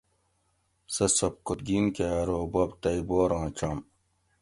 سہ سبکتگین کہ ارو بوب تئ بوراں چُم